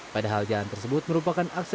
padahal jalan tersebut merupakan akses